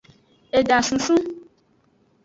Eda sunsun.